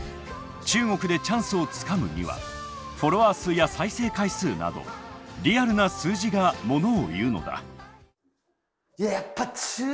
中国でチャンスをつかむにはフォロワー数や再生回数などリアルな数字が物を言うのだ。